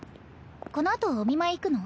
このあとお見舞い行くの？